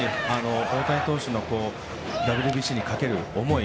大谷投手のＷＢＣへかける思い